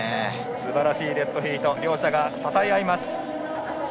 すばらしいデッドヒート。両者がたたえ合います。